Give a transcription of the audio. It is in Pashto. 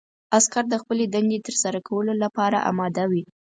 عسکر د خپلې دندې ترسره کولو لپاره اماده وي.